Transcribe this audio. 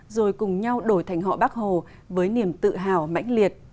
rồi cùng nhau đổi thành họ bác hồ với niềm tự hào mãnh liệt